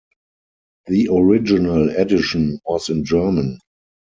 The original edition was in German.